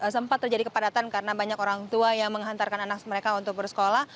sempat terjadi kepadatan karena banyak orang tua yang menghantarkan anak mereka untuk bersekolah